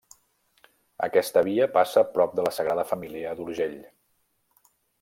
Aquesta via passa prop la Sagrada Família d'Urgell.